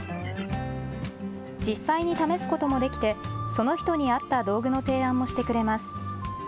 実際に試すこともできてその人に合った道具の提案もしてくれます。